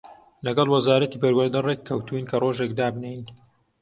لەگەڵ وەزارەتی پەروەردە ڕێک کەوتووین کە ڕۆژێک دابنێین